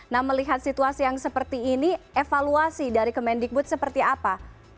nah melihat situasi yang seperti ini evaluasi dari kemendikbud seperti apa